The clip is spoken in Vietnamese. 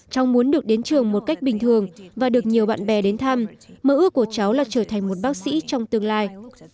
cháu muốn được đến trường một cách bình thường và được nhiều bạn bè đến thăm mơ ước của cháu là trở thành một bác sĩ trong tương lai